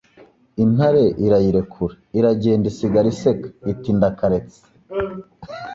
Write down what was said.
Intare irayirekura iragendaIsigara iseka, iti ndakaretse